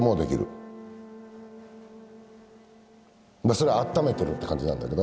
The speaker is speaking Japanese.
それをあっためてるって感じなんだけど。